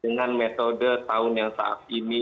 dengan metode tahun yang saat ini